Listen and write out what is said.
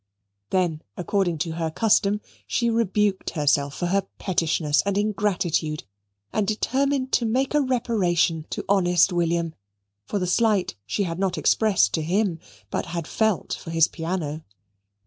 Then, according to her custom, she rebuked herself for her pettishness and ingratitude and determined to make a reparation to honest William for the slight she had not expressed to him, but had felt for his piano.